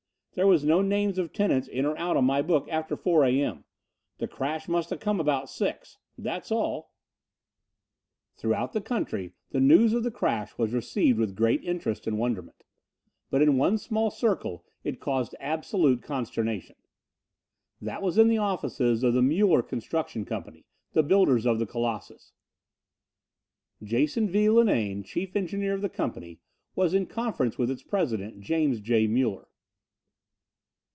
There was no names of tenants in or out on my book after 4 A.M. The crash musta come about 6. That's all." Throughout the country the news of the crash was received with great interest and wonderment, but in one small circle it caused absolute consternation. That was in the offices of the Muller Construction Company, the builders of the Colossus. Jason V. Linane, chief engineer of the company, was in conference with its president, James J. Muller.